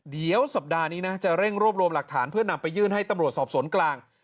เดี๋ยวสัปดาห์นี้นะจะเร่งรวบรวมหลักฐานเพื่อนำไปยื่นให้ตำรวจสอบสวนกลาง